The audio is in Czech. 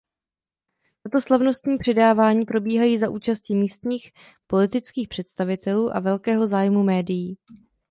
Tato slavnostní předávání probíhají za účasti místních politických představitelů a velkého zájmu médií.